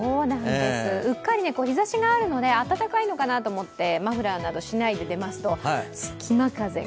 うっかり日ざしがあるので暖かいのかなと思ってマフラーなどしないで出ますとすきま風が。